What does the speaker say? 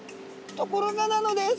ところがなのです！